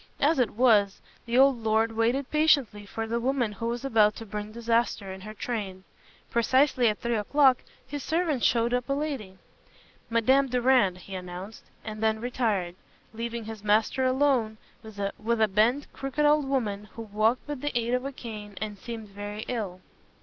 As it was, the old lord waited patiently for the woman who was about to bring disaster in her train. Precisely at three o'clock his servant showed up a lady. "Madame Durand," he announced, and then retired, leaving his master alone with a bent, crooked old woman who walked with the aid of a cane, and seemed very ill.